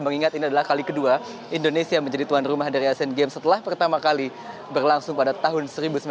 mengingat ini adalah kali kedua indonesia menjadi tuan rumah dari asian games setelah pertama kali berlangsung pada tahun seribu sembilan ratus sembilan puluh